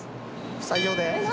不採用で。